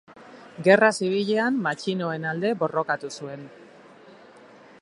Gerra Zibilean matxinoen alde borrokatu zuen.